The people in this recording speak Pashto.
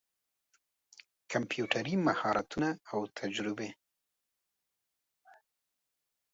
کمپيوټري مهارتونه او تجربې